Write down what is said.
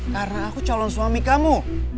karena aku calon suami kamu